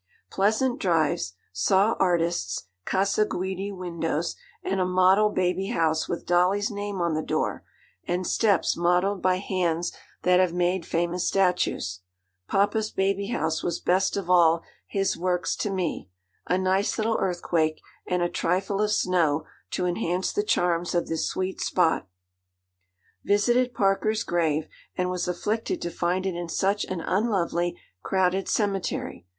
'Pleasant drives. Saw artists, Casa Guidi windows, and a model baby house with dolly's name on the door, and steps modelled by hands that have made famous statues. "Papa's baby house" was best of all his works to me. A nice little earthquake and a trifle of snow to enhance the charms of this sweet spot. 'Visited Parker's grave, and was afflicted to find it in such an unlovely, crowded cemetery.